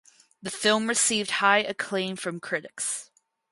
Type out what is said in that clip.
The film received high acclaim from critics.